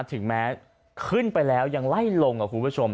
ถึงแม้ขึ้นไปแล้วยังไล่ลงกับคุณผู้ชม